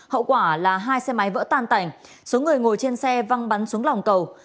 hậu quả là hai xe máy vỡ tan cảnh số người ngồi trên xe văng bắn xuống lòng cầu